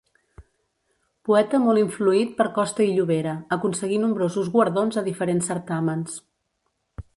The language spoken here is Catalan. Poeta molt influït per Costa i Llobera, aconseguí nombrosos guardons a diferents certàmens.